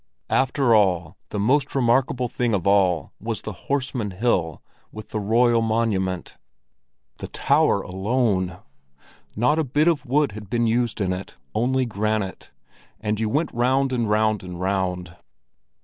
After all, the most remarkable thing of all was the Horseman Hill with the royal monument. The tower alone! Not a bit of wood had been used in it, only granite; and you went round and round and round.